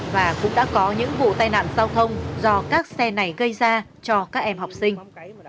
và cũng đã có những vụ tai nạn giao thông do các xe này gây ra cho các em học sinh